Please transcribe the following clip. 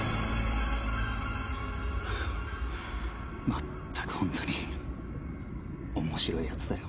まったく本当に面白い奴だよ